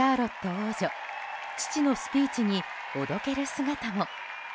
王女父のスピーチにおどける姿も。